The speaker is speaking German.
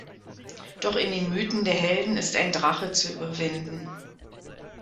Doch in den Mythen der Helden ist ein Drache zu überwinden.